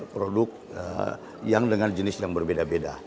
produk yang dengan jenis yang berbeda beda